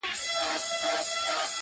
بس لکه تندر پر مځکه لوېږې.!